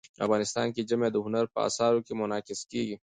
افغانستان کې ژمی د هنر په اثار کې منعکس کېږي.